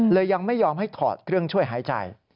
ยังไม่ยอมให้ถอดเครื่องช่วยหายใจ